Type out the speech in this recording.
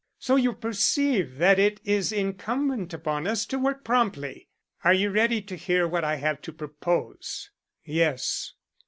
So you perceive that it is incumbent upon us to work promptly. Are you ready to hear what I have to propose?" "Yes."